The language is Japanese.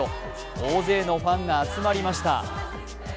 大勢のファンが集まりました。